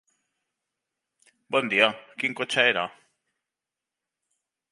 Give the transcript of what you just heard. Bon dia, quin cotxe era?